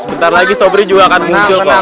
sebentar lagi sobri juga akan muncul kok